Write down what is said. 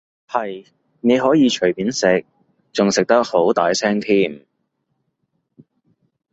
係，你可以隨便食，仲食得好大聲添